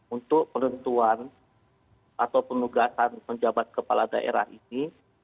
untuk penentuan atau penugasan penjabat kepala daerah ini